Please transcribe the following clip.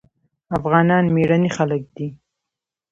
افغانان مېړني خلک دي.